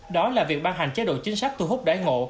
đó là việc ban hành chế độ chính sách thu hút đáy ngộ